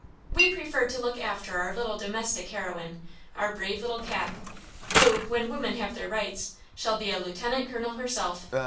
We prefer to look after our little domestic heroine, our brave little Cap, who, when women have their rights, shall be a lieutenant colonel herself.